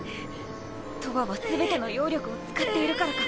とわはすべての妖力を使っているからか。